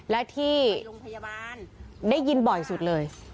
และที่ได้ยินบ่อยสุดเลย